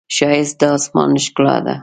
ښایست د آسمان ښکلا ده